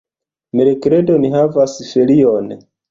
Merkrede ni havas ferion.